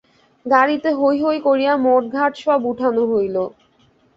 গাড়িতে হৈ হৈ কারিয়া মোট-ঘাট সব উঠানো হইল।